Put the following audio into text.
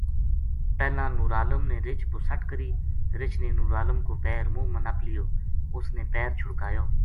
پہلاں نورعالم نے رِچھ پو سَٹ کری رِچھ نے نورعالم کو پیر منہ ما نَپ لیو اس نے پیر چھُڑکایو